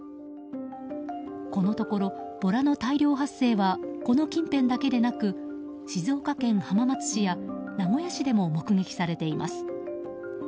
このところ、ボラの大量発生はこの近辺だけでなく静岡県浜松市や名古屋市でも目撃されています。